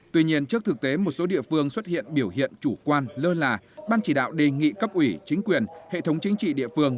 tuy nhiên trước thực tế một số địa phương xuất hiện biểu hiện chủ quan lơ là ban chỉ đạo đề nghị cấp ủy chính quyền hệ thống chính trị địa phương